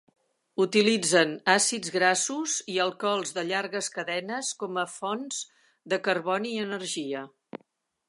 Utilitzen àcids grassos i alcohols de llargues cadenes com a fonts de carboni i energia.